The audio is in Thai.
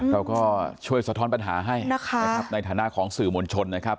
เราก็ช่วยสะท้อนปัญหาให้นะครับในฐานะของสื่อมวลชนนะครับ